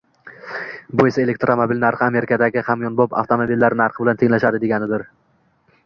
Bu esa elektromobil narxi Amerikadagi hamyonbop avtomobillar narxi bilan tenglashadi, deganidir.